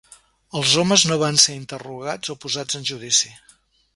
Els homes no van ser interrogat o posats en judici.